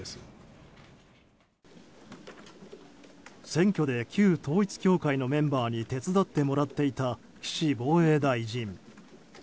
選挙で旧統一教会のメンバーに手伝ってもらっていた岸防衛大臣。